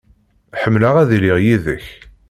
Ḥemmleɣ ad iliɣ yid-k.